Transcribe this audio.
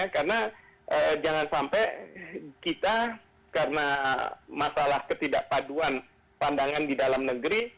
karena jangan sampai kita karena masalah ketidakpaduan pandangan di dalam negeri